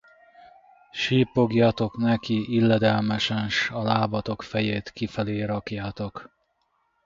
Sipogjatok neki illedelmesen, s a lábatok fejét kifelé rakjátok!